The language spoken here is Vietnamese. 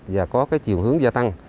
và có chiều hướng gia tăng